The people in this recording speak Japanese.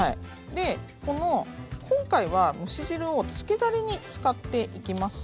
でこの今回は蒸し汁をつけだれに使っていきます。